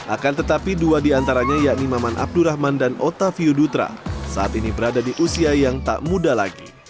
akan tetapi dua diantaranya yakni maman abdurrahman dan otavio dutra saat ini berada di usia yang tak muda lagi